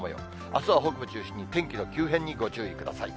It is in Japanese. あすは北部中心に天気の急変にご注意ください。